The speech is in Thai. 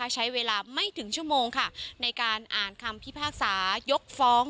ใช้เวลาไม่ถึงชั่วโมงค่ะในการอ่านคำพิพากษายกฟ้อง